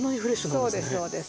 そうですそうです。